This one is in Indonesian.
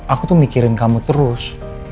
aku tuh mikirin kamu terus